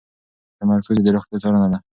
تمرکز یې د روغتیا څارنه ده.